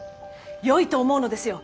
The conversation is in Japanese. よいと思うのですよお江戸に！